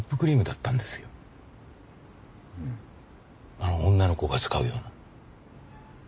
あの女の子が使うような。